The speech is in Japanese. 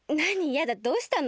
やだどうしたの？